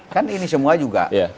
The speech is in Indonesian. kan ini semua juga